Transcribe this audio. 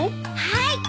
はい。